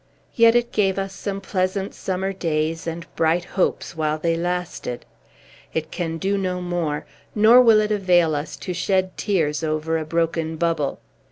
Yet it gave us some pleasant summer days, and bright hopes, while they lasted. It can do no more; nor will it avail us to shed tears over a broken bubble.